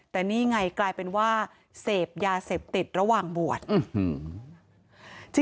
แต่นี่ไงกลายเป็นว่าเสพยาเสพติดระหว่างบวช